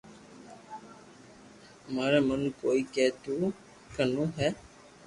ماري من ڪوئي ڪي تو ڪنو ھي